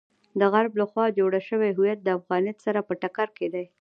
د غرب لخوا جوړ شوی هویت د افغانیت سره په ټکر کې دی.